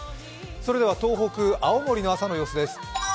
それでは東北、青森の朝の様子です。